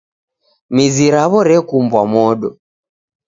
Mizi raw'o rekumbwa modo.